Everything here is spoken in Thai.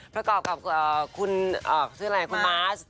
พระกอบกับคุณเอ่อคุณมาช